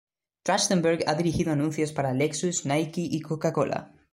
Trachtenberg ha dirigido anuncios para Lexus, Nike, y Coca Cola.